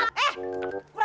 sekali lagi lu ya